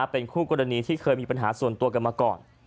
เป็นคู่กรณีที่เคยมีปัญหาส่วนตัวกันมาก่อน